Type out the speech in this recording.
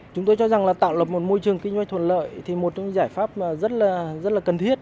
chúng tôi cho rằng là tạo lập một môi trường kinh doanh thuận lợi thì một trong những giải pháp rất là cần thiết